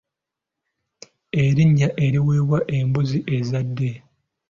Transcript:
Erinnya eriweebwa embuzi ezadde?